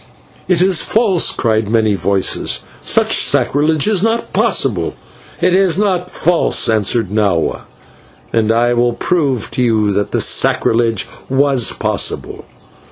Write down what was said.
"It is false," cried many voices. "Such sacrilege is not possible." "It is not false," answered Nahua, "and I will prove to you that the sacrilege was possible.